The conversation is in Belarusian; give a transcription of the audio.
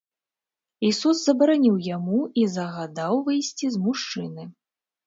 Ісус забараніў яму і загадаў выйсці з мужчыны.